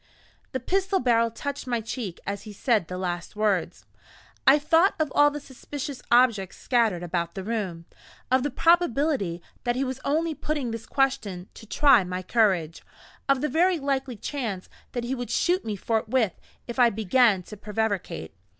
The pistol barrel touched my cheek as he said the last words. I thought of all the suspicious objects scattered about the room, of the probability that he was only putting this question to try my courage, of the very likely chance that he would shoot me forthwith, if I began to prevaricate.